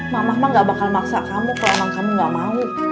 mama mah nggak bakal maksa kamu kalau emang kamu nggak mau